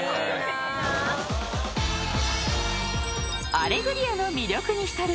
［『アレグリア』の魅力に浸る